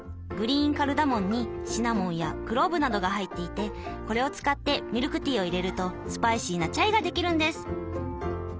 グリーンカルダモンにシナモンやクローブなどが入っていてこれを使ってミルクティーをいれるとスパイシーなチャイができるんです。